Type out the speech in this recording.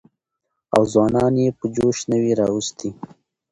او ځوانان يې په جوش نه وى راوستي.